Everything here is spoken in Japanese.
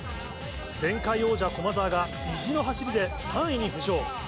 前回王者、駒澤が意地の走りで３位に浮上。